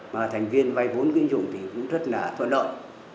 mà thành viên vay vốn quỹ tiến dụng thì cũng rất là thuận lợi